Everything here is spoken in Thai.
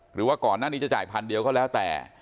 หรือว่าก่อนหน้านี้จะจ่ายพันเดียวก็แล้วแต่